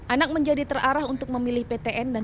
anak menjadi terarah untuk memilih ptn dan